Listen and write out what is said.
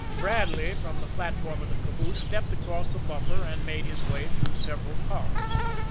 Bradley, from the platform of the caboose, stepped across the buffer, and made his way through several cars.